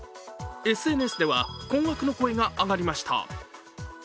ＳＮＳでは困惑の声が上がりました。